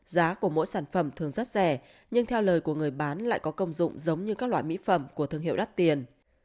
giá của mỗi sản phẩm thường rất rẻ nhưng theo lời của người bán lại có công dụng giống như các loại mỹ phẩm của thương hiệu đắt tiền